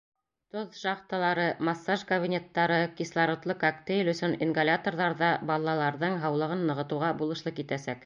Тоҙ шахталары, массаж кабинеттары, кислородлы коктейль өсөн ингаляторҙар ҙа балаларҙың һаулығын нығытыуға булышлыҡ итәсәк.